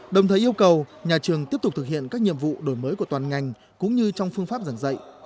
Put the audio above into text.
đồng thời yêu cầu nhà trường tiếp tục thực hiện các nhiệm vụ đổi mới của toàn ngành cũng như trong phương pháp giảng dạy